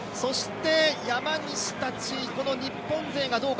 山西たち、日本勢がどうか。